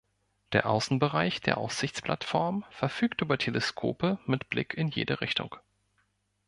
Der Außenbereich der Aussichtsplattform verfügt über Teleskope mit Blick in jede Richtung.